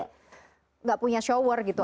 tidak punya shower gitu